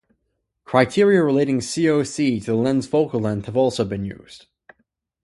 Criteria relating CoC to the lens focal length have also been used.